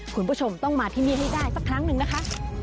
คุณผู้ชมต้องมาที่นี่ให้ได้สักครั้งหนึ่งนะคะ